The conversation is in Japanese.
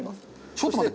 ちょっと待って。